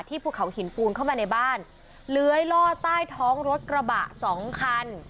ภูเขาหินปูนเข้ามาในบ้านเลื้อยล่อใต้ท้องรถกระบะสองคัน